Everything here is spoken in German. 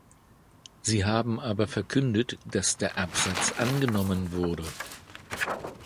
Sie haben aber verkündet, dass der Absatz angenommen wurde.